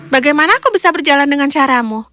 bagaimana aku bisa berjalan dengan caramu